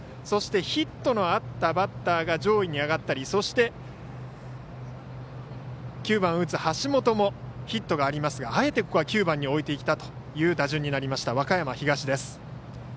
そしてヒットのあったバッターが上位に上がったりそして９番を打つ橋本もヒットがありますがあえてここは９番に置いてきたという打順になりました、和歌山東です。